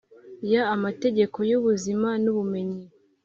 ya mategeko y’ubuzima n’ubumenyi,